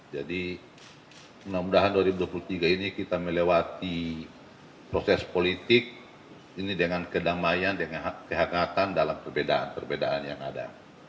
jadi mudah mudahan dua ribu dua puluh tiga ini kita melewati proses politik ini dengan kedamaian dengan kehaatan dalam perbedaan perbedaan yang ada